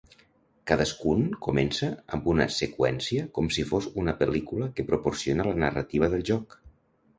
Cadascun comença amb una seqüència com si fos una pel·lícula que proporciona la narrativa del joc.